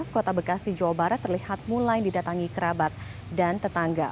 kota bekasi jawa barat terlihat mulai didatangi kerabat dan tetangga